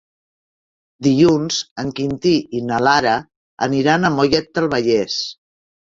Dilluns en Quintí i na Lara aniran a Mollet del Vallès.